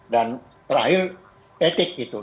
dan terakhir etik gitu